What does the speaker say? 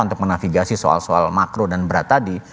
untuk menavigasi soal soal makro dan berat tadi